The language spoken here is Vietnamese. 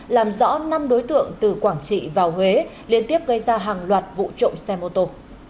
làm rõ năm đối tượng từ quảng trị vào huế liên tiếp gây ra hàng loạt vụ trộm xe mô tô